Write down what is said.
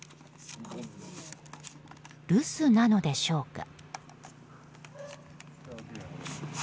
留守なのでしょうか。